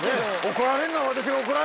怒られるのは。